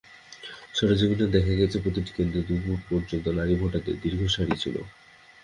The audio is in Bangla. সরেজমিনে দেখা গেছে, প্রতিটি কেন্দ্রে দুপুর পর্যন্ত নারী ভোটারদের দীর্ঘ সারি ছিল।